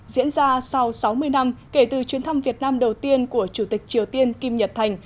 diễn ra sau sáu mươi năm kể từ chuyến thăm việt nam đầu tiên của chủ tịch triều tiên kim nhật thành